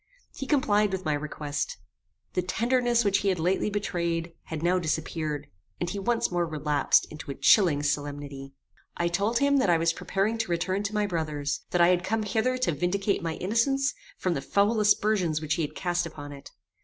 He complied with my request. The tenderness which he had lately betrayed, had now disappeared, and he once more relapsed into a chilling solemnity. I told him that I was preparing to return to my brother's; that I had come hither to vindicate my innocence from the foul aspersions which he had cast upon it.